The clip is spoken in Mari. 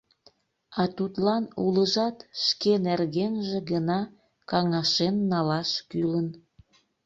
А тудлан улыжат шке нергенже гына каҥашен налаш кӱлын.